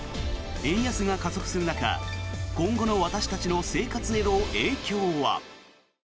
円安が加速する中今後の私たちの生活への影響は。